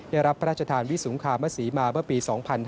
ได้รับพระราชทานวิสุงคามศรีมาเมื่อปี๒๕๕๙